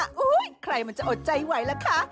ใครมันจะอดใจไหวล่ะคะ